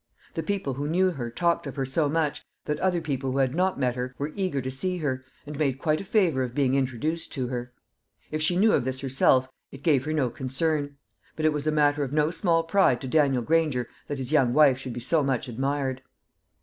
The people who knew her talked of her so much, that other people who had not met her were eager to see her, and made quite a favour of being introduced to her. If she knew of this herself, it gave her no concern; but it was a matter of no small pride to Daniel Granger that his young wife should be so much admired.